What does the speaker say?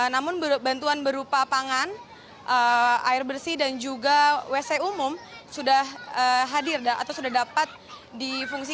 namun bantuan berupa pangan